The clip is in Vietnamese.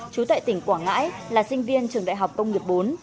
chú tại tỉnh quảng ngãi là sinh viên trường đại học công nghiệp bốn